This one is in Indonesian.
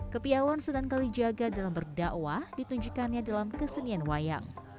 kepiawan sunan kalijaga dalam berdakwah ditunjukkannya dalam kesenian wayang